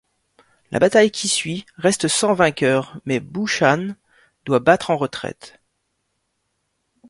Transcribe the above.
La bataille qui suit reste sans vainqueur mais Buchan doit battre en retraite.